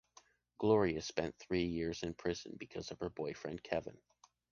Gloria spent three years in prison because of her boyfriend, Kevin.